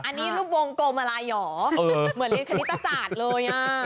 อันนี้รูปวงกลมอะไรหรอเหมือนเรียนคณิตศาสตร์เลย